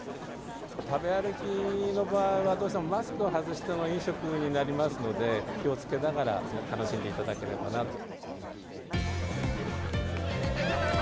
食べ歩きの場合は、どうしてもマスクを外しての飲食になりますので、気をつけながら楽しんでいただければなと。